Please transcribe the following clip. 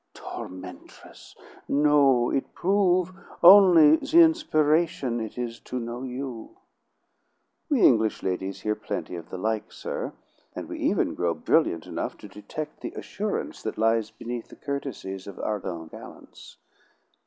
"Tormentress! No. It prove only the inspiration it is to know you." "We English ladies hear plenty of the like sir; and we even grow brilliant enough to detect the assurance that lies beneath the courtesies of our own gallants."